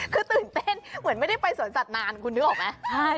คือตื่นเต้นเหมือนไม่ได้ไปสวนสัตว์นานคุณนึกออกไหม